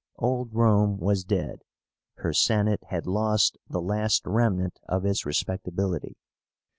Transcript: Old Rome was dead. Her Senate had lost the last remnant of its respectability.